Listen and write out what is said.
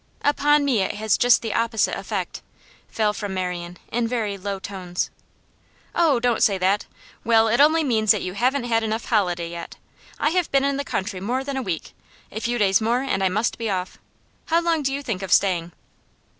'Upon me it has just the opposite effect,' fell from Marian, in very low tones. 'Oh, don't say that! Well, it only means that you haven't had enough holiday yet. I have been in the country more than a week; a few days more and I must be off. How long do you think of staying?